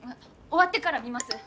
終わってから見ます。